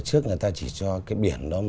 trước người ta chỉ cho cái biển đó